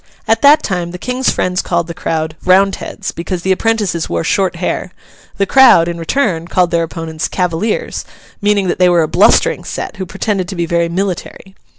At that time the King's friends called the crowd, Roundheads, because the apprentices wore short hair; the crowd, in return, called their opponents Cavaliers, meaning that they were a blustering set, who pretended to be very military.